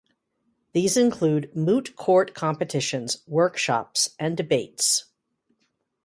These include moot court competitions, workshops, and debates.